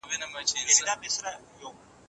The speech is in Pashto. خبرې د اړیکو وسیله ده.